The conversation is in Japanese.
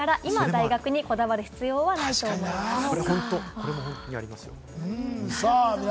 これも本当にありますよ。